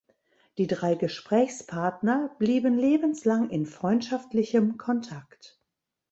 Die drei Gesprächspartner blieben lebenslang in freundschaftlichem Kontakt.